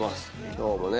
今日もね